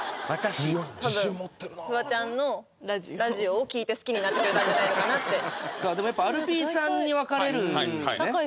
自信持ってるなぁフワちゃんのラジオを聴いて好きになってくれたんじゃないのかなってでもやっぱ「アルピー」さんに分かれるんですね